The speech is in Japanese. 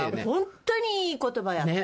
本当にいい言葉やった。